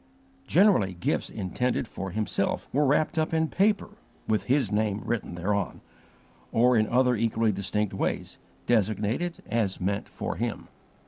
Generally gifts intended for himself were wrapped up in paper with his name written thereon, or in other equally distinct ways designated as meant for him.